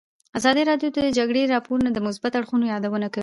ازادي راډیو د د جګړې راپورونه د مثبتو اړخونو یادونه کړې.